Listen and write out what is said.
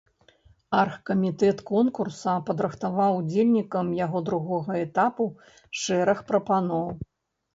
Аргкамітэт конкурса падрыхтаваў удзельнікам яго другога этапу шэраг прапаноў.